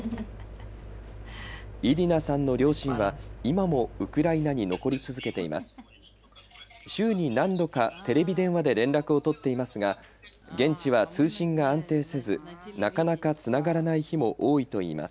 イリナさんの両親は今もウクライナに残り続けています。